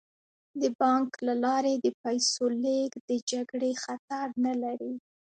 د بانک له لارې د پیسو لیږد د جګړې خطر نه لري.